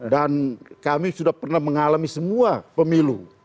dan kami sudah pernah mengalami semua pemilu